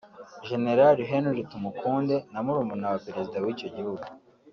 General Henry Tumukunde na murumuna wa Perezida w’icyo gihugu